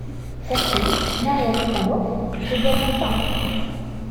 Sa fille, Maria Spanò, fut également peintre.